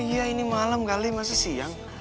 iya ini malam kali masih siang